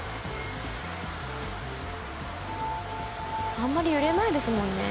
あんまり揺れないですもんね。